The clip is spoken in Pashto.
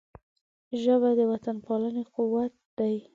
ژبه د وطنپالنې قوت دی